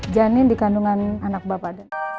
janin dikandungan anak bapak